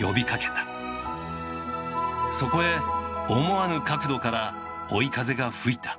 そこへ思わぬ角度から追い風が吹いた。